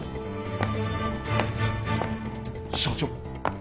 社長。